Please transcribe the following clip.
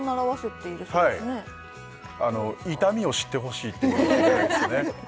はい痛みを知ってほしいという願いですね